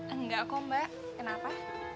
engga kom mbak kenapa